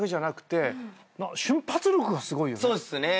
そうっすね。